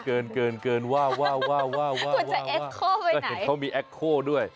คุณจะแอ็กโค้ไปไหนก็เห็นเขามีแอ็กโค้ด้วย